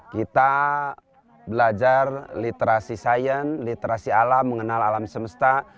kita belajar literasi sains literasi alam mengenal alam semesta